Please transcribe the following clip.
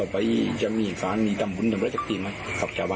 แล้วก็ตั้มกับนี้ไปลนครับ